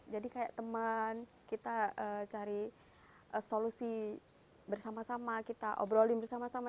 jadi kayak teman kita cari solusi bersama sama kita obrolin bersama sama